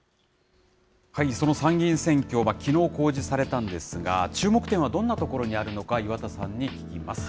その参議院選挙、きのう公示されたんですが、注目点はどんなところにあるのか、岩田さんに聞きます。